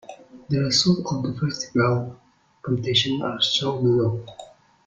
The results of the principal competitions are shown below.